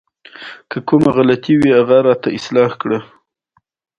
د دې نیمګړتیا جبران لپاره کتابونه مطالعه کوي.